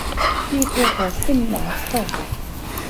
叙克和圣纳克。